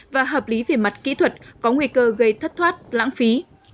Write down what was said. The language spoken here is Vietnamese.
và hợp lý về mặt kỹ thuật có nguy cơ gây thất thoát lãng phí